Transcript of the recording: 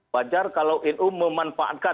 wajar kalau nu memanfaatkan